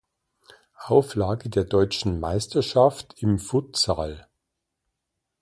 Auflage der deutschen Meisterschaft im Futsal.